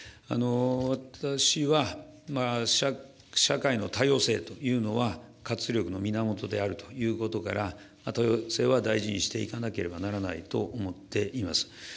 私は、社会の多様性というのは、活力の源であるということから、多様性は大事にしていかなければならないとは思っています。